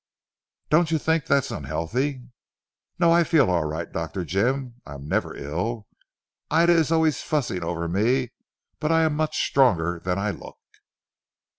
"Don't you think that is unhealthy?" "No, I feel alright Dr. Jim. I am never ill. Ida is always fussing over me, but I am much stronger than I look."